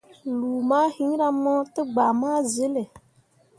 Lu mah hiŋra mo tegbah ma zele.